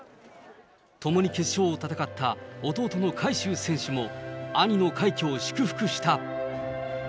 共に決勝を戦った、弟の海祝選手も、兄の快挙を祝福した。